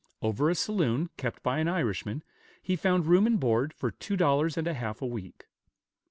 Over a saloon, kept by an Irishman, he found room and board for two dollars and a half a week.